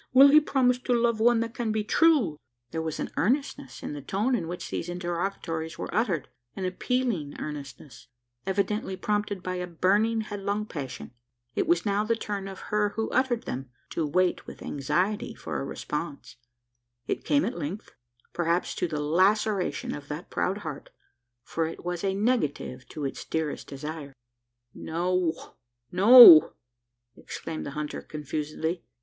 Will he promise to love one that can be true?" There was an earnestness in the tone in which these interrogatories were uttered an appealing earnestness evidently prompted by a burning headlong passion. It was now the turn of her who uttered them, to wait with anxiety for a response. It came at length perhaps to the laceration of that proud heart: for it was a negative to its dearest desire. "No, no!" exclaimed the hunter confusedly.